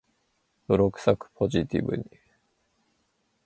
泥臭く、ポジティブに